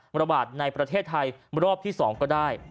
ระบาดในประเทศไทยรอบที่๒ก็ได้